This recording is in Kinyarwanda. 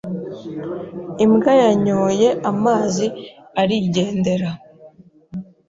Imbwa yanyoye amazi arigendera.